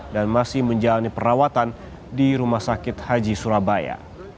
dan masih menjalani perawatan di rumah sakit haji surabaya